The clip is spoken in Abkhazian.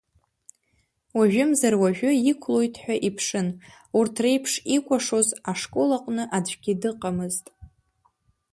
Уажәымзар-уажәы иқәлоит ҳәа иԥшын, урҭ реиԥш икәашоз ашкол аҟны аӡәгьы дыҟамызт.